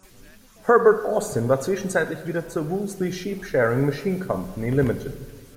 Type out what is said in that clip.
Herbert Austin war zwischenzeitlich wieder zur Wolseley Sheep Shearing Machine Company Ltd.